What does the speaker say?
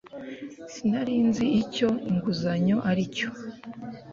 sinari nzi icyo inguzanyo ari cyo